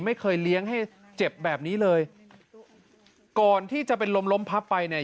ไม่เคยเลี้ยงให้เจ็บแบบนี้เลยก่อนที่จะเป็นลมล้มพับไปเนี่ย